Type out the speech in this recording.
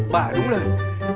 bà đúng rồi